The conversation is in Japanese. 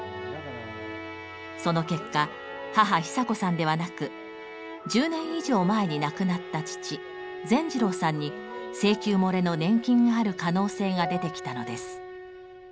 その結果母・ひさこさんではなく１０年以上前に亡くなった父・善次郎さんに請求もれの年金がある可能性が出てきたのです。